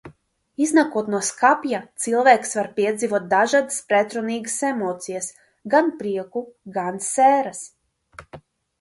Iznākot no skapja, cilvēks var piedzīvot dažādas pretrunīgas emocijas – gan prieku, gan sēras.